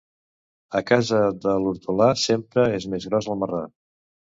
A casa de l'hortolà sempre és més gros el marrà.